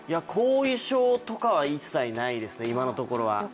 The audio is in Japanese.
後遺症とかは一切ないですね、今のところは。